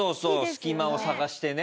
隙間を探してね。